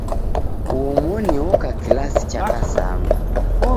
Uomoni oka kilasi cha kasanu.